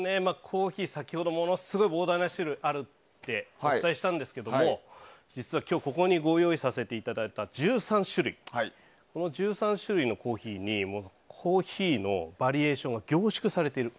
コーヒー、先ほど、ものすごい膨大な種類があるってお伝えしたんですけれども実は今日ここにご用意させていただいた１３種類この１３種類のコーヒーにコーヒーのバリエーションが凝縮されている。